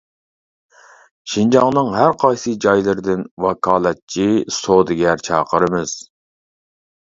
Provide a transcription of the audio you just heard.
شىنجاڭنىڭ ھەر قايسى جايلىرىدىن ۋاكالەتچى سودىگەر چاقىرىمىز!